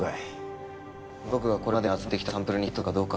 僕がこれまでに集めてきたサンプルにヒットするかどうか。